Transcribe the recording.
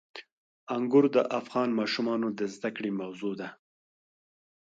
انګور د افغان ماشومانو د زده کړې موضوع ده.